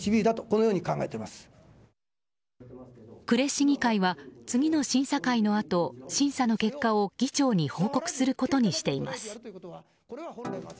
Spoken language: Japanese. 呉市議会は次の審査会のあと審査の結果を議長に報告することにしています。